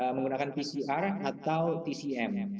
menggunakan pcr atau tcm